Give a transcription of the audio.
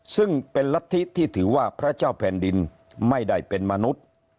ซึ่งเป็นรัฐธิที่ถือว่าพระเจ้าแผ่นดินไม่ได้เป็นมนุษย์